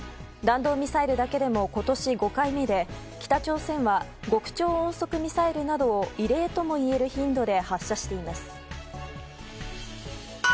弾道ミサイルだけでも今年５回目で北朝鮮は極超音速ミサイルなどを異例ともいえる頻度で発射しています。